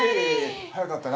早かったな。